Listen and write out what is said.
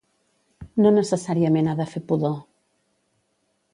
No necessàriament ha de fer pudor